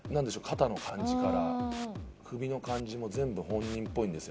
肩の感じから首の感じも全部本人っぽいんですよね。